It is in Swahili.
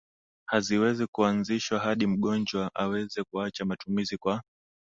Haziwezi kuanzishwa hadi mgonjwa aweze kuacha matumizi kwa